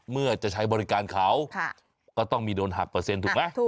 เมื่อจะใช้บริการเขาก็ต้องมีโดนหักเปอร์เซ็นต์ถูกไหม